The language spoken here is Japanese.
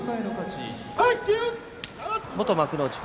元幕内誉